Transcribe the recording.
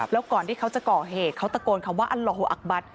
แล้วก่อนที่เขาจะก่อเหตุเขาตะโกนคำว่าอัลโลอักบัตร